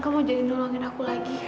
kamu jangan nolongin aku lagi